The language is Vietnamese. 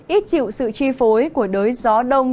ít chịu sự chi phối của đới gió đông